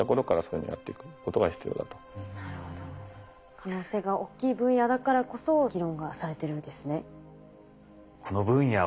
可能性が大きい分野だからこそ議論がされてるんですね。